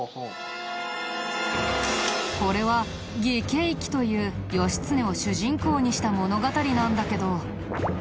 これは『義経記』という義経を主人公にした物語なんだけど。